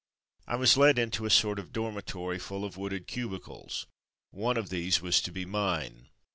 I was led into a sort of dormitory full of wooded cubicles, one of these was to be mine.